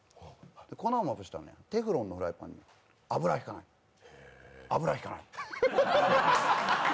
粉をまぶしたら、テフロンのフライパンに油引かない、油引かない。